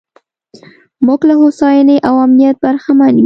موږ له هوساینې او امنیت برخمن یو.